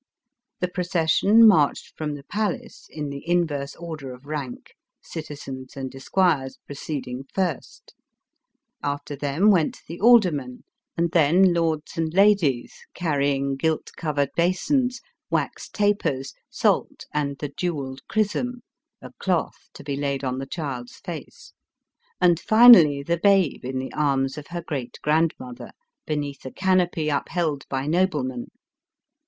The pro cession marched from the palace, in the 'in verse order of rank, citizens and esquires proceeding first; after them went the aldermen, and then lords and ladies, car rying gilt covered basins, wax tapers, salt, and the jewelled chrisom — a cloth to be laid on the child's face ; and finally the babe in the arms of her great grandmother, beneath a canopy upheld' by noblemen.